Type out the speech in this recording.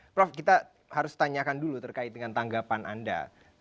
prof kita harus tanyakan dulu terkait dengan tanggapan anda